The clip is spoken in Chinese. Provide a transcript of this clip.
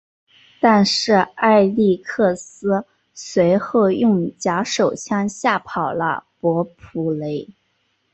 但是艾力克斯随后用假手枪吓跑了伯普雷。